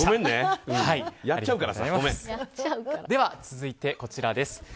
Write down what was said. では、続いてこちらです。